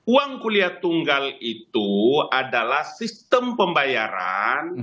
uang kuliah tunggal itu adalah sistem pembayaran